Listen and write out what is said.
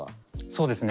そうですね